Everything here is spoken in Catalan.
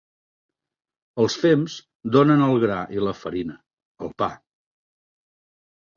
Els fems donen el gra i la farina, el pa.